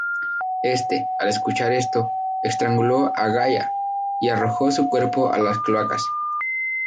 Éste, al escuchar esto, estranguló a Gaia y arrojó su cuerpo a las cloacas.